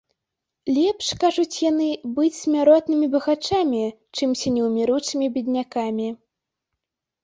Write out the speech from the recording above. Лепш, кажуць яны, быць смяротнымі багачамі, чымся неўміручымі беднякамі.